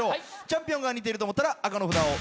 チャンピオンが似ていると思ったら紅の札を。